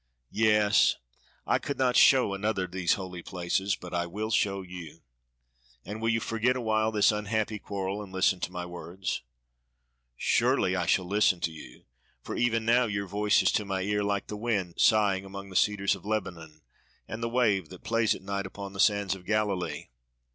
Yes! I could not show another these holy places, but I will show you." "And will you forget awhile this unhappy quarrel and listen to my words?" "Surely I shall listen to you; for even now your voice is to my ear like the wind sighing among the cedars of Lebanon, and the wave that plays at night upon the sands of Galilee."